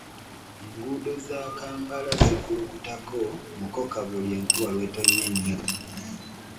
Enguudo za Kampala zikulukutako mukoka buli enkuba lw'etonnya ennyo.